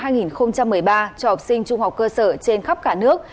năm hai nghìn một mươi ba cho học sinh trung học cơ sở trên khắp cả nước